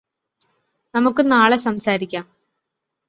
നമ്മുക്ക് നാളെ സംസാരിക്കാം